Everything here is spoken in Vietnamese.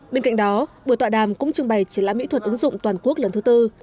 bên cạnh đó buổi tọa đàm cũng trưng bày triển lãm mỹ thuật ứng dụng toàn quốc lần thứ tư